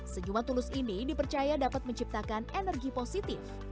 sejumlah tulus ini dipercaya dapat menciptakan energi positif